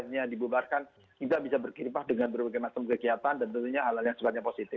jadi bisa saja nanti perubahan